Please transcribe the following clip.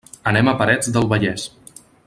Anem a Parets del Vallès.